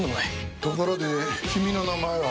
ところで君の名前は？